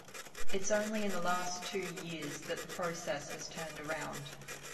It’s only in the last two years that the process has turned around.